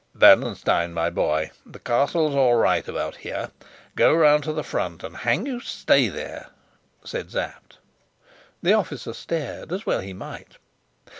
"Bernenstein, my boy, the castle's all right about here. Go round to the front, and, hang you, stay there," said Sapt. The officer stared, as well he might.